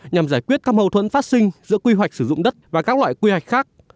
nhằm giải quyết các mâu thuẫn phát sinh giữa quy hoạch sử dụng đất và các loại quy hoạch khác